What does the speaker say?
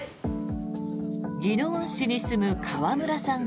宜野湾市に住む川村さん